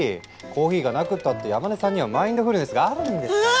コーヒーがなくったって山根さんにはマインドフルネスがあるんですから。